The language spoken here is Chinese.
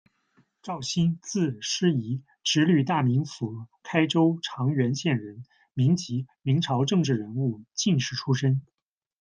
赵莘，字师尹，直隶大名府开州长垣县人，民籍，明朝政治人物、进士出身。